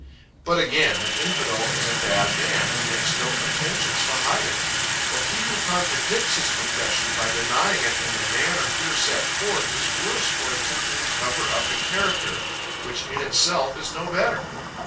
But again, an infidel is a bad man, and makes no pretensions to hide it. But he who contradicts his profession, by denying it in the manner here set forth, is worse for attempting to cover up a character, which in itself is no better.